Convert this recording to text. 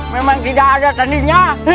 memang tidak ada tandinya